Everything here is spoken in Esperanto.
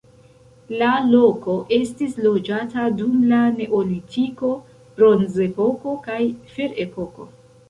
La loko estis loĝata dum la neolitiko, bronzepoko kaj ferepoko.